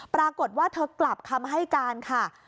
ปรากฏว่าเธอกลับคำให้การค่ะ